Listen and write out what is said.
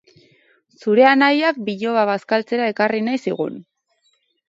Zure anaiak biloba bazkaltzera ekarri nahi zigun.